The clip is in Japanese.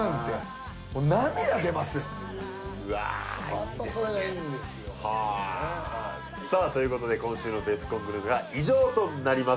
またそれがいいんですよさあということで今週のベスコングルメは以上となります